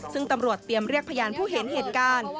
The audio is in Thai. ซึ่งตำรวจเตรียมเรียกพยานผู้เห็นเหตุการณ์